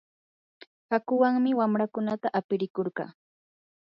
hakuwanmi wamraakunata aprikurqaa.